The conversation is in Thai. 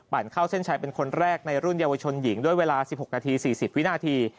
เข้าเส้นชัยเป็นคนแรกในรุ่นเยาวชนหญิงด้วยเวลา๑๖นาที๔๐วินาที